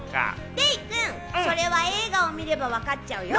デイくん、それは映画を見ればわかっちゃうよ。